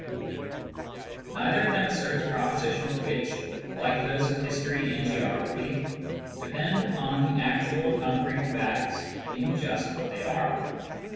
Neither of them asserts propositions which, like those of history and geography, depend upon the actual concrete facts being just what they are.